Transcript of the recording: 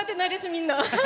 みんな。